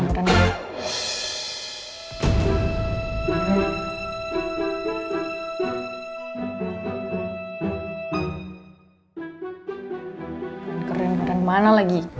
keren keren mana lagi